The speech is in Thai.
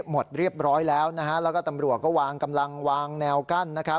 หมดเรียบร้อยแล้วนะฮะแล้วก็ตำรวจก็วางกำลังวางแนวกั้น